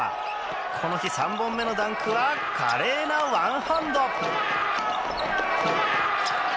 この日、３本目のダンクは華麗なワンハンド。